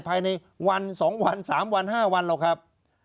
ภายในวันสองวันสามวันห้าวันหรอกครับ